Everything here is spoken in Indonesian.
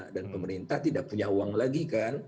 dan pemerintah tidak punya uang lagi